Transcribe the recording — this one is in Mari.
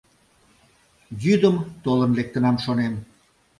Йӱдым толын лектынам, шонем.